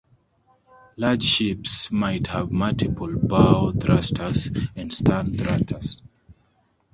Large ships might have multiple bow thrusters and stern thrusters.